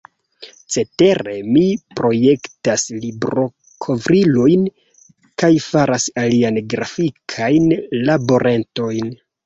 Cetere mi projektas librokovrilojn kaj faras aliajn grafikajn laboretojn.